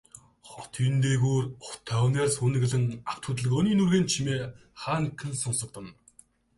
Хотын дээгүүр утаа униар суунаглан, авто хөдөлгөөний нүргээнт чимээ хаа нэгхэн сонсогдоно.